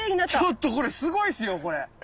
ちょっとこれすごいっすよこれ！